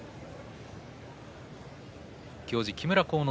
行司木村晃之